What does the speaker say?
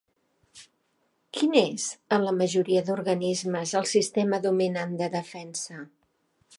Quin és en la majoria d'organismes el sistema dominant de defensa?